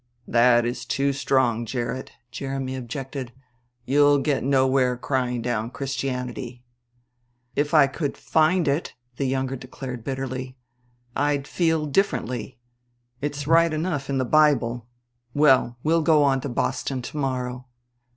"That is too strong, Gerrit," Jeremy objected. "You'll get nowhere crying down Christianity." "If I could find it," the younger declared bitterly, "I'd feel differently. It's right enough in the Bible. ...Well, we'll go on to Boston to morrow."